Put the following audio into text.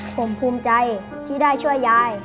ผมภูมิใจที่ได้ช่วยยาย